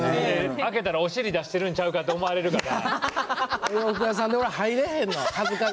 開けたらお尻出しているんとちゃうか？と思われるから。